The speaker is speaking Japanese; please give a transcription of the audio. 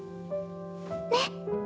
ねっ。